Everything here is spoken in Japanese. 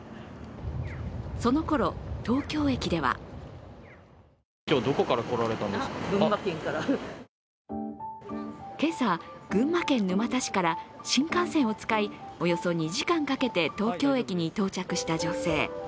そのころ、東京駅では今朝、群馬県沼田市から新幹線を使いおよそ２時間かけて東京駅に到着した女性。